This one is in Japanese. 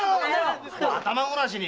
頭ごなしに。